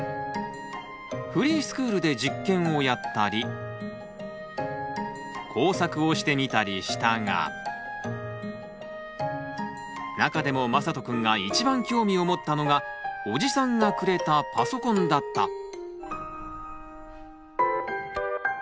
フリースクールで実験をやったり工作をしてみたりしたが中でもまさとくんが一番興味を持ったのが伯父さんがくれたパソコンだった。